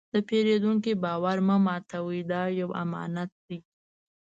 د پیرودونکي باور مه ماتوئ، دا یو امانت دی.